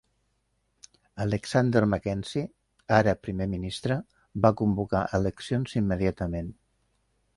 Alexander Mackenzie, ara primer ministre, va convocar eleccions immediatament.